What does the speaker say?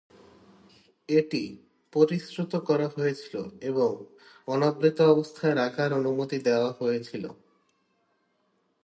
এটি পরিশ্রুত করা হয়েছিল এবং অনাবৃত অবস্থায় রাখার অনুমতি দেওয়া হয়েছিল।